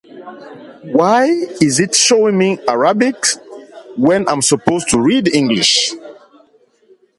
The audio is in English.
میرے دوست کا نام احمد ہے۔